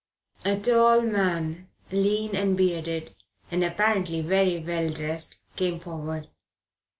A tall man, lean and bearded, and apparently very well dressed, came forward.